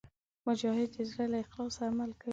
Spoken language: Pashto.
مجاهد د زړه له اخلاصه عمل کوي.